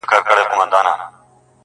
دغه زرين مخ.